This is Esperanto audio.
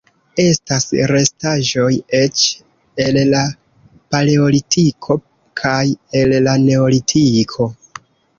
Estas restaĵoj eĉ el la Paleolitiko kaj el la Neolitiko.